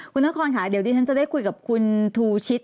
คุณนครค่ะเดี๋ยวดิฉันจะได้คุยกับคุณทูชิต